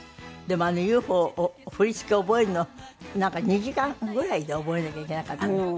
でもあの『ＵＦＯ』を振り付けを覚えるのなんか２時間ぐらいで覚えなきゃいけなかった。